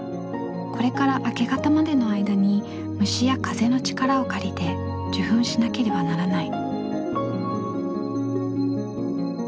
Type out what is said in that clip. これから明け方までの間に虫や風の力を借りて受粉しなければならない。